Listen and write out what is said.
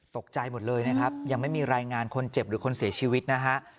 ตกใจหมดเลยนะครับยังไม่มีรายงานคนเจ็บหรือคนเสียชีวิตนะฮะ